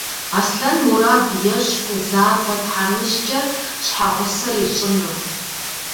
Аслъэн мурад ещӏ фызабэ тхьэмыщкӏэр щхьэгъусэ ищӏыну.